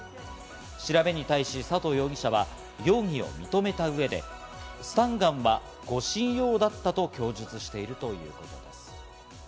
調べに対し、佐藤容疑者は容疑を認めた上で、スタンガンは護身用だった供述しているということです。